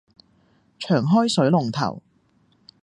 長開水龍頭